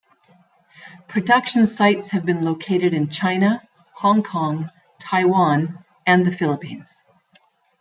Production sites have been located in China, Hong Kong, Taiwan and the Philippines.